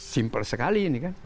simpel sekali ini kan